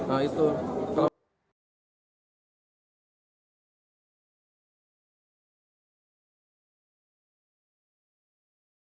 apalagi kalau mas maha trilsa